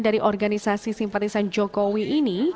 dari organisasi simpatisan jokowi ini